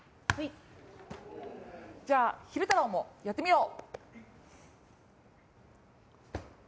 じゃあ昼太郎もやってみよう！